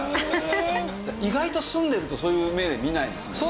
意外と住んでるとそういう目で見ないですもんね。